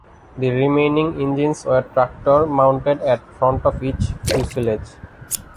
The remaining engines were tractor mounted at the front of each fuselage.